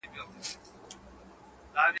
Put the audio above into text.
پښتنو ته هم راغلی جادوګر وو.